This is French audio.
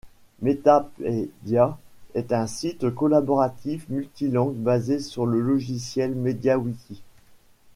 Metapedia est un site collaboratif multilingue basé sur le logiciel MediaWiki.